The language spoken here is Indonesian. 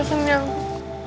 aku tinggalin dulu